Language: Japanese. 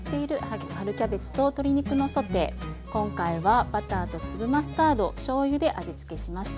今回はバターと粒マスタードしょうゆで味付けしました。